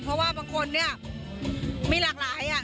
เพราะว่าบางคนเนี่ยมีหลากหลาย